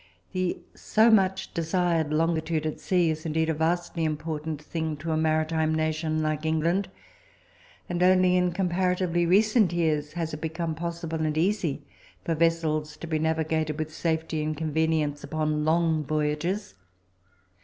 The "so much desired longitude at sea" is, indeed, a vastly important thing to a maritime nation like England. And only in comparatively recent years has it become possible and easy for vessels to be navigated with safety and convenience upon long voyages.